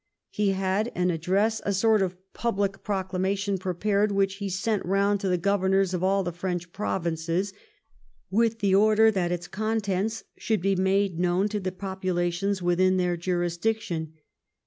He had an address, a sort of public proclamation, pre pared, which he sent round to the governors of all the French provinces, with the order that its contents should be made known to the populations within their jurisdiction.